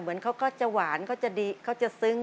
เขาก็จะหวานเขาจะดีเขาจะซึ้ง